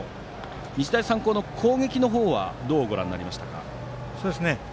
日大三高の攻撃はどうご覧になりましたか。